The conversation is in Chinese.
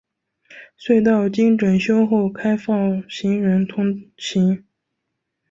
隧道经整修后开放行人通行。